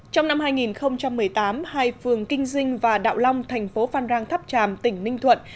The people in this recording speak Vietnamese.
trong năm hai nghìn một mươi tám hai phường kinh dinh và đạo long thành phố phan rang tháp tràm tỉnh ninh thuận